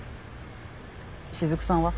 しずくさんは？